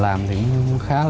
mà có thể chiến khaln lên